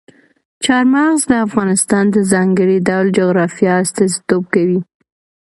چار مغز د افغانستان د ځانګړي ډول جغرافیه استازیتوب کوي.